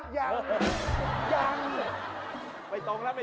อย่างนี้